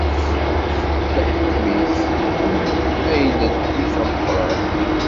Leḥkwem-ik, am maylellif ameqqran.